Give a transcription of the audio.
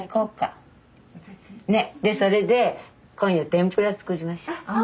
でそれで今夜天ぷら作りましょう。